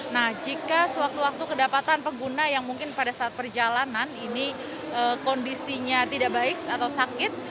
nah jika sewaktu waktu kedapatan pengguna yang mungkin pada saat perjalanan ini kondisinya tidak baik atau sakit